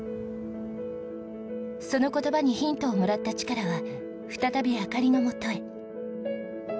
その言葉にヒントをもらったチカラは再び灯のもとへ。